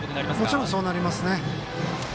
もちろんそうなりますね。